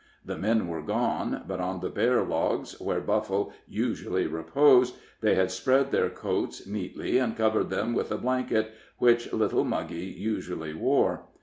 The men were gone, but on the bare logs, where Buffle usually reposed, they had spread their coats neatly, and covered them with a blanket which little Muggy usually wore.